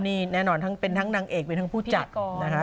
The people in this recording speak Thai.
นี่แน่นอนทั้งเป็นทั้งนางเอกเป็นทั้งผู้จัดนะคะ